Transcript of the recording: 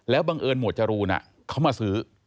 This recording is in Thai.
บังเอิญหมวดจรูนเขามาซื้อ